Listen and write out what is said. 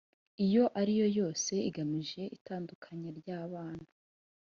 iyo ariyo yose igamije itandukanya ry abana